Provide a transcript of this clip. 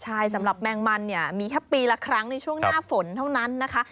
ใช่สำหรับแมงมันเนี่ยมีแค่ปีละครั้งในช่วงหน้าฝนเท่านั้นนะคะ